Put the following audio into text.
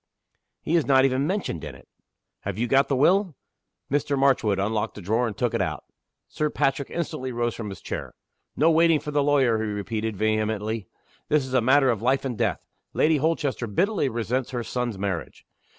"He is not even mentioned in it." "Have you got the will?" Mr. Marchwood unlocked a drawer, and took it out. Sir Patrick instantly rose from his chair. "No waiting for the lawyer!" he repeated, vehemently. "This is a matter of life and death. Lady Holchester bitterly resents her son's marriage.